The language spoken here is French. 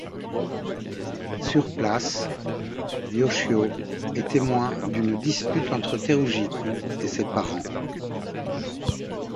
Sur place, Yoshio est témoin d'une dispute entre Terugiku et ses parents.